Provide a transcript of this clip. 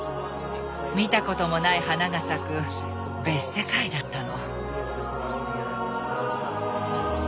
見たこともない花が咲く別世界だったの。